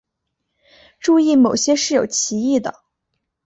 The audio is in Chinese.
注意某些是有歧义的。